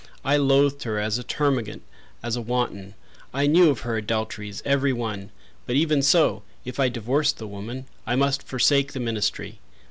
I loathed her as a termagant, as a wanton. I knew of her adulteries, every one. But even so, if I divorced the woman I must forsake the ministry.